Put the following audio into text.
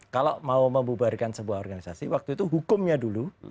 kalau mau membubarkan sebuah organisasi waktu itu hukumnya dulu